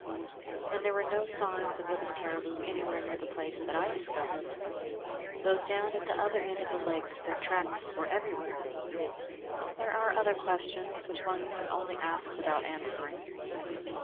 And there were no signs of living caribou anywhere near the place that I discovered; though down at the other end of the lake their tracks were everywhere. There are other questions, which one can only ask without answering.